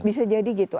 bisa jadi gitu